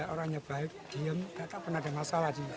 orangnya baik diem tetap ada masalah di kampung